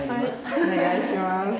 お願いします。